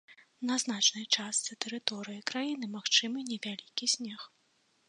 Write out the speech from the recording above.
На значнай частцы тэрыторыі краіны магчымы невялікі снег.